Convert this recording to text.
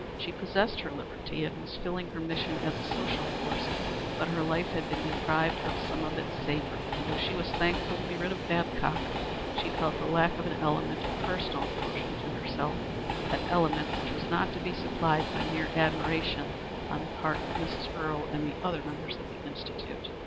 She possessed her liberty, and was fulfilling her mission as a social force, but her life had been deprived of some of its savor, and, though she was thankful to be rid of Babcock, she felt the lack of an element of personal devotion to herself, an element which was not to be supplied by mere admiration on the part of Mrs. Earle and the other members of the Institute.